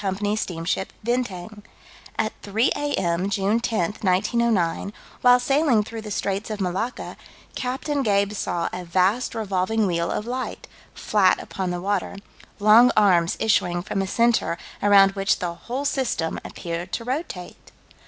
's steamship Bintang. At 3 A.M., June 10, 1909, while sailing through the Straits of Malacca, Captain Gabe saw a vast revolving wheel of light, flat upon the water "long arms issuing from a center around which the whole system appeared to rotate."